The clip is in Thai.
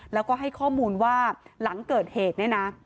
แล้วก็ให้ข้อมูลว่าหลังเกิดเหตุเนี่ยนะ